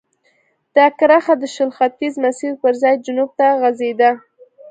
دا کرښه د شل ختیځ مسیر پر ځای جنوب ته غځېده.